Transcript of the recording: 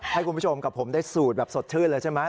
ให้คุณผู้ชมกับผมได้สูตรแบบสดชื่นเลยใช่ไหม